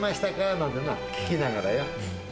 なんてな、聞きながらよ。